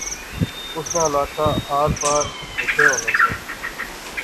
اس ناں علاقہ آر پار ہیکے ہونا سا